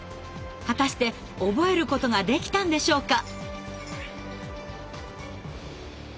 果たして覚えることができたんでしょうか？